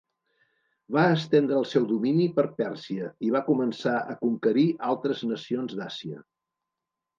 Va estendre el seu domini per Pèrsia i va començar a conquerir altres nacions d'Àsia.